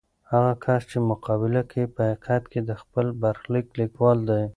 هغه کس چې مقابله کوي، په حقیقت کې د خپل برخلیک لیکوال دی.